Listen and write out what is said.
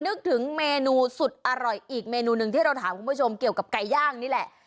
นึกถึงเมนูสุดอร่อยอีกเมนูหนึ่งที่เราถามคุณผู้ชมเกี่ยวกับไก่ย่างนี่แหละ